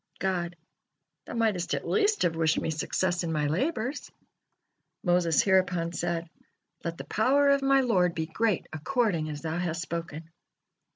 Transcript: God: "Thou mightest at least have wished Me success in My labors." Moses hereupon said: "Let the power of my Lord be great according as Thou hast spoken."